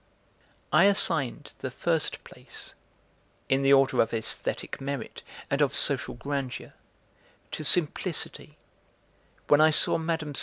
I assigned the first place, in the order of aesthetic merit and of social grandeur, to simplicity, when I saw Mme.